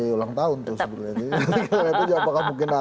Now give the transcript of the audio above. iya tanggal sepuluh kan pak jokowi ini